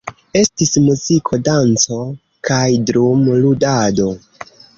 Estis muziko, danco kaj drum-ludado.